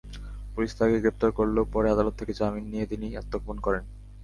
Police তাঁকে গ্রেপ্তার করলেও পরে আদালত থেকে জামিন নিয়ে তিনি আত্মগোপন করেন।